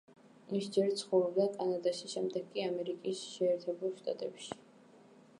ის ჯერ ცხოვრობდა კანადაში, შემდეგ კი ამერიკის შეერთებულ შტატებში.